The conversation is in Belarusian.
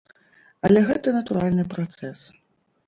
Але гэта натуральны працэс.